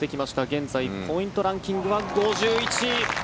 現在ポイントランキングは５１位。